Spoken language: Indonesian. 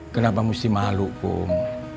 kenapa mesti malu kum